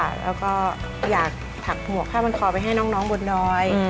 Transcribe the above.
แล้วก็อยากถักหมวกผ้าบนคอไปให้น้องบนดอย